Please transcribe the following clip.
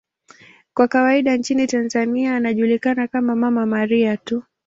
Kwa kawaida nchini Tanzania anajulikana kama 'Mama Maria' tu.